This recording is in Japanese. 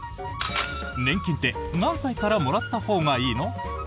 年金って何歳からもらったほうがいいの？